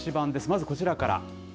まずこちらから。